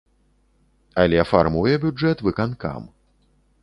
Але фармуе бюджэт выканкам.